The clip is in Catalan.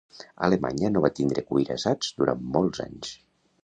Alemanya no va tindre cuirassats durant molts anys.